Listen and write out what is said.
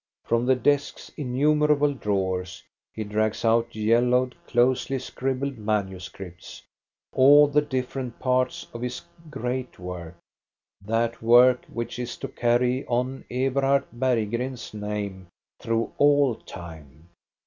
From the desk's innumerable drawers he drags out yellowed, closely scribbled manuscripts, all the different parts of his great work, — that work which is to carry on Eberhard Berggren's name through all time.